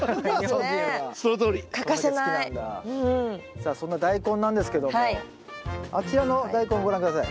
さあそんなダイコンなんですけどもあちらのダイコンご覧下さい。